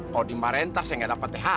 kalau dimarahin tasnya gak dapat deh